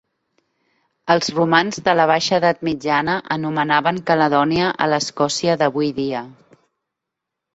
Els romans de la Baixa Edat Mitjana anomenaven Caledònia a l'Escòcia d'avui dia.